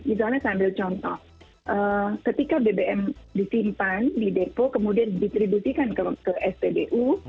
misalnya sambil contoh ketika bbm disimpan di depo kemudian distribusikan ke sbbu